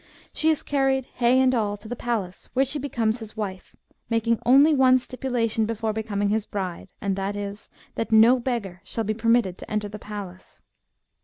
She is carried, hay and all, to the palace, where she becomes his wife, making only one stipulation before becoming his bride, and that is, that no beggar shall be permitted to enter the palace.